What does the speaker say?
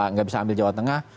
nggak bisa ambil jawa tengah